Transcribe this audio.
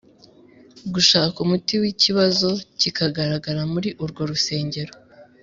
gushaka umuti w ikibazo kigaragara muri urwo rusengero.